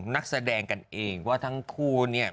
นักแสดงกันเองว่าทั้งคู่เนี่ย